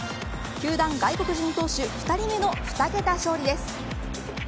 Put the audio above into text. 球団外国人投手２人目の２桁勝利です。